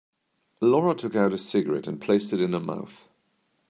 Laura took out a cigarette and placed it in her mouth.